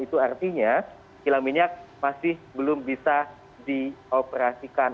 itu artinya kilang minyak masih belum bisa dioperasikan